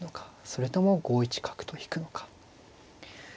それとも５一角と引くのか。